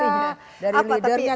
iya dari leadernya